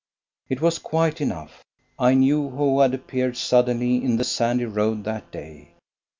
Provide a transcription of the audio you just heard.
It was quite enough I knew who had appeared suddenly in the sandy road that day.